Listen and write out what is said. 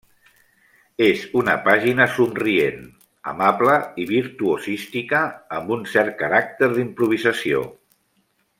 És una pàgina somrient, amable i virtuosística, amb un cert caràcter d'improvisació.